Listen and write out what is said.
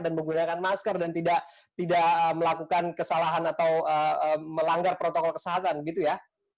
dan menggunakan masker dan tidak melakukan kesalahan atau melanggar protokol kesehatan gitu ya